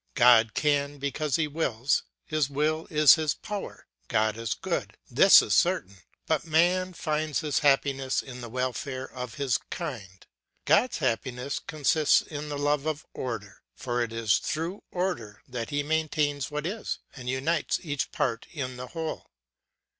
God can because he wills; his will is his power. God is good; this is certain; but man finds his happiness in the welfare of his kind. God's happiness consists in the love of order; for it is through order that he maintains what is, and unites each part in the whole.